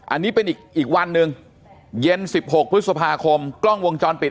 อันนี้เป็นอีกวันหนึ่งเย็น๑๖พฤษภาคมกล้องวงจรปิด